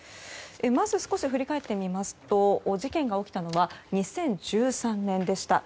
まず、少し振り返ってみますと事件が起きたのは２０１３年でした。